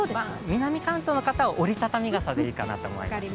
南関東の方は折りたたみ傘でいいと思いますよ。